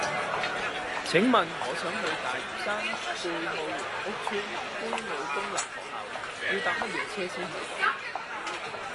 請問我想去大嶼山貝澳羅屋村杯澳公立學校要搭乜嘢車先去到